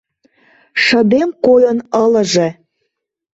Шыдем койын ылыже.